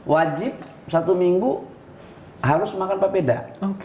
wajib satu minggu harus makan papeda